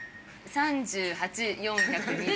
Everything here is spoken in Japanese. ３８４２０。